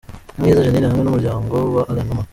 Umwiza Jeannine hamwe n'umuryango wa Alain Numa.